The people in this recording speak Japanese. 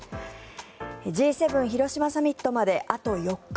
Ｇ７広島サミットまであと４日。